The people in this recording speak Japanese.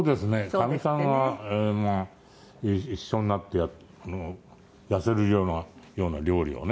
かみさんは一緒になって痩せるような料理をね